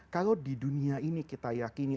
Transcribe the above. kalau di dunia ini kita yakini